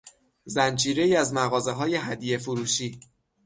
زنجیرهای از مغازههای هدیه فروشی